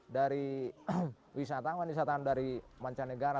dari wisatawan wisatawan dari mancanegara